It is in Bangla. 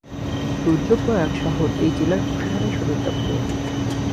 রুদ্রপ্রয়াগ শহর এই জেলার প্রশাসনিক সদর দপ্তর।